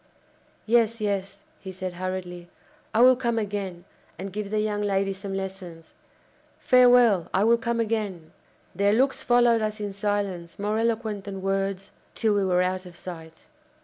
"Yes, yes," he said hurriedly, "I will come again, and give the young lady some lessons! Farewell! I will come again!" Their looks followed us in silence more eloquent than words till we were out of sight.